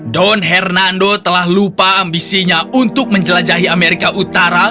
don hernando telah lupa ambisinya untuk menjelajahi amerika utara